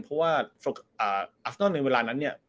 เพราะว่าอัสนอนในเวลานั้นเนี่ย